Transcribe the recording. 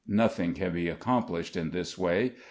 Nothing can be accomplished in this way.